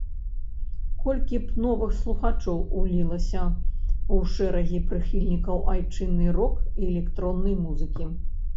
Колькі б новых слухачоў улілася ў шэрагі прыхільнікаў айчыннай рок- і электроннай музыкі!